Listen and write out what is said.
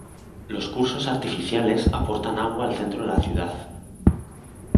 Los cursos artificiales aportan agua al centro de la ciudad.